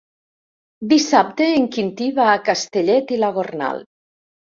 Dissabte en Quintí va a Castellet i la Gornal.